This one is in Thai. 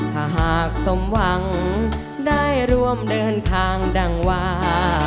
ถ้าหากสมหวังได้ร่วมเดินทางดังวา